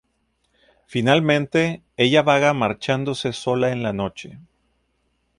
Finalmente, ella vaga marchándose sola en la noche.